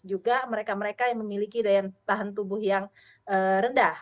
juga mereka mereka yang memiliki daya tahan tubuh yang rendah